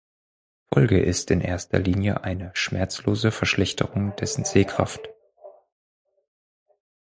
Folge ist in erster Linie eine schmerzlose Verschlechterung dessen Sehkraft.